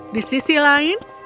di sisi lain